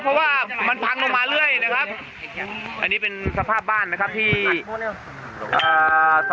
เพราะว่ามันพังลงมาเรื่อยนะครับอันนี้เป็นสภาพบ้านนะครับที่อ่า